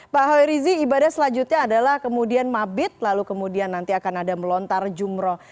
pak hoerizi ibadah selanjutnya adalah kemudian mabit lalu kemudian nanti akan ada melontar jumroh